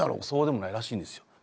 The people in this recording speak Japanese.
そうでもないらしいんですよ。